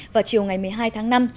vào chiều ngày một mươi hai tháng năm